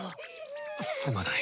すまない。